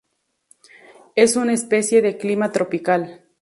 Es una especie de clima tropical.